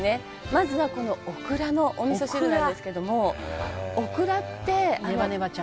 「まずはこのオクラのお味噌汁なんですけどもオクラってネバネバちゃん」